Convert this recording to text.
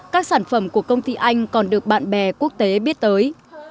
các sản phẩm của công ty anh còn được bạn bè quốc tế biết tới